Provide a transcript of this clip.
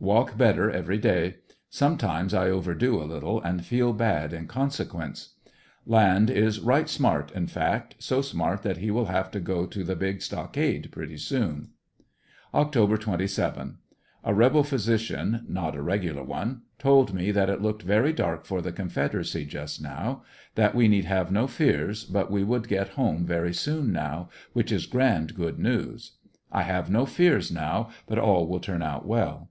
Walk better every day. Sometimes I overdo a little and feel bad in consequence. Land is ''right smart," in fact, so smart that he will have to go to the big stockade pretty soon Oct. 27. — A rebel physician (not a regular one), told me that it looked very dark for the Confederacy just now; that we need have no fears but we would get home very soon now, which is grand good news. I have no fears now but all will turn out well.